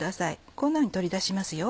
こんなふうに取り出しますよ。